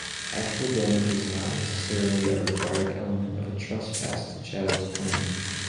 Actual damage is not necessarily a required element of a trespass to chattels claim.